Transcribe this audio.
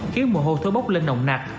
khiến mùa hô thối bốc lên nồng nặc